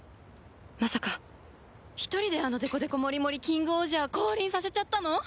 まさか一人であのデコデコ盛り盛りキングオージャーを降臨させちゃったの？